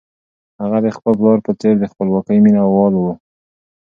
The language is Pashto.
هغه د خپل پلار په څېر د خپلواکۍ مینه وال و.